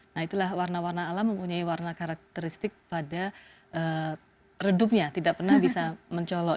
nah itulah warna warna alam mempunyai warna karakteristik pada redupnya tidak pernah bisa mencolok